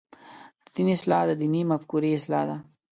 د دین اصلاح د دیني مفکورې اصلاح ده.